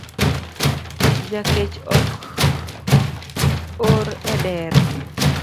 Jakech ok or edero